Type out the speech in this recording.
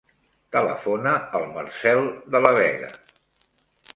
Telefona al Marcèl De La Vega.